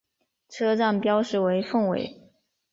车站标识为凤尾。